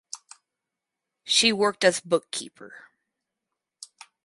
She worked as bookkeeper.